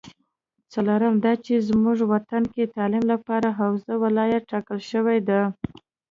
څلورم دا چې زمونږ وطن کې تعلیم لپاره حوزه ولایت ټاکل شوې ده